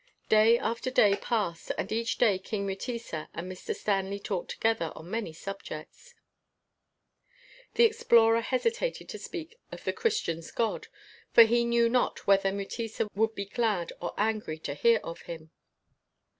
Day after day passed, and each day King Mutesa and Mr. Stanley talked together on many subjects. The explorer hesitated to speak of the Christian's God, for he knew not whether Mutesa would be glad or angry to hear of Him.